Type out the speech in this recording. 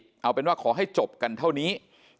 เอาเป็นว่าขอให้จบกันเท่านี้